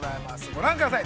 ご覧ください。